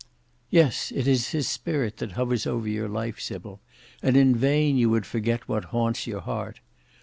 "Yes, it is his spirit that hovers over your life, Sybil; and in vain you would forget what haunts your heart.